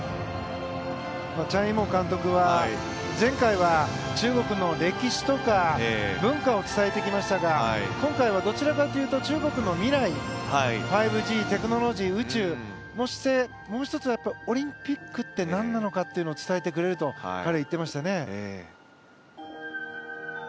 チャン・イーモウ監督は前回は中国の歴史とか文化を伝えてきましたが今回はどちらかというと中国の未来５Ｇ、テクノロジー、宇宙もう１つはオリンピックってなんなのかというのを伝えてくれると彼は言っていましたね。